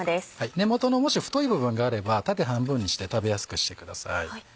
根元のもし太い部分があれば縦半分にして食べやすくしてください。